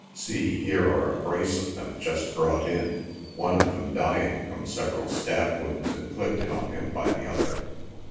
See, here are a brace of them just brought in, one of them dying from seve ral stab wounds indicted on him by the other.